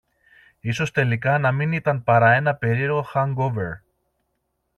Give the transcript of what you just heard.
Ίσως τελικά να μην ήταν παρά ένα περίεργο hangover